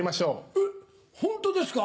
えっホントですか？